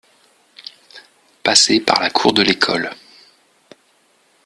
Passer par la cour de l’école.